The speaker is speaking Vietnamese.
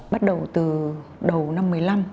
bắt đầu từ đầu năm một mươi năm